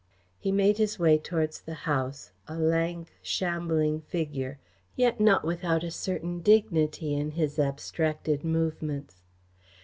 He made his way towards the house; a lank, shambling figure, yet not without a certain dignity in his abstracted movements.